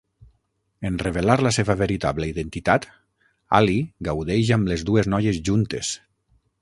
En revelar la seva veritable identitat, Ali gaudeix amb les dues noies juntes.